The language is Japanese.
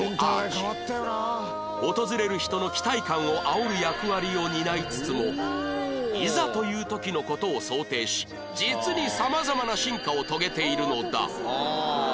訪れる人の期待感をあおる役割を担いつつもいざという時の事を想定し実に様々な進化を遂げているのだ